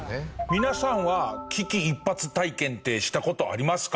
皆さんは危機一髪体験ってした事ありますか？